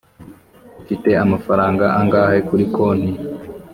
ufite amafaranga angahe kuri konti